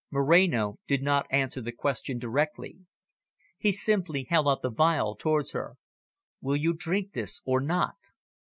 Moreno did not answer the question directly. He simply held out the phial towards her. "Will you drink this or not?"